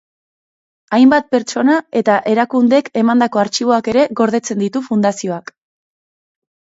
Hainbat pertsona eta erakundek emandako artxiboak ere gordetzen ditu fundazioak.